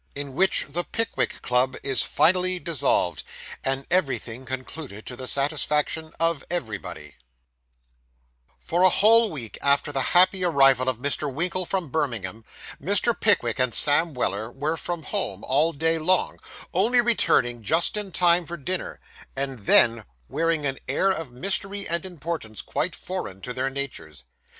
IN WHICH THE PICKWICK CLUB IS FINALLY DISSOLVED, AND EVERYTHING CONCLUDED TO THE SATISFACTION OF EVERYBODY For a whole week after the happy arrival of Mr. Winkle from Birmingham, Mr. Pickwick and Sam Weller were from home all day long, only returning just in time for dinner, and then wearing an air of mystery and importance quite foreign to their natures.